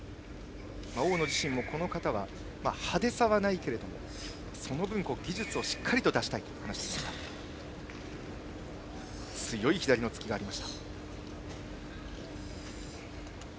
大野自身もこの形は派手さはないがその分技術をしっかり出したいと話しています。